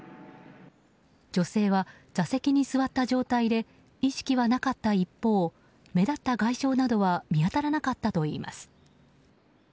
女性は座席に座った状態で意識はなかった一方目立った外傷などは見当たらなかったといいます。